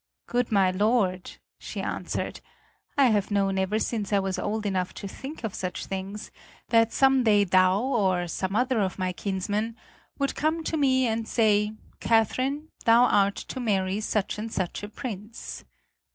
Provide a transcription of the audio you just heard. "Good my lord," she answered, "I have known ever since I was old enough to think of such things that some day thou or some other of my kinsmen would come to me and say, 'Catherine, thou art to marry such and such a prince.'